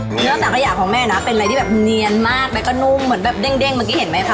เนื้อสังขยะของแม่นะเป็นอะไรที่แบบเนียนมากแล้วก็นุ่มเหมือนแบบเด้งเมื่อกี้เห็นไหมคะ